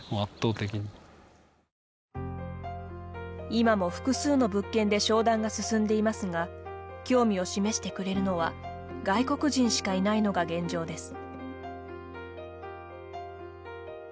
今も複数の物件で商談が進んでいますが興味を示してくれるのは外国人しかいないのが現状です。